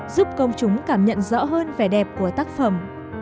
giúp công chúng cảm nhận rõ hơn vẻ đẹp của tác phẩm